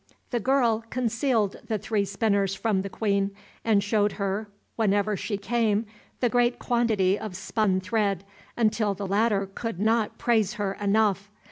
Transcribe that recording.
The girl concealed the three spinners from the Queen, and showed her whenever she came the great quantity of spun thread, until the latter could not praise her enough.